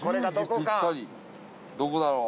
どこだろう？